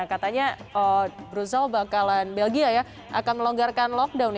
katanya brussel bakalan belgia ya akan melonggarkan lockdown